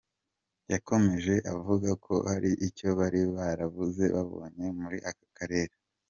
Yakomeje avuga ko hari icyo bari barabuze babonye muri aka karere.